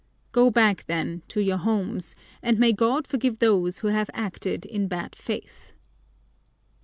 Go back, then, to your homes, and may God forgive those who have acted in bad faith."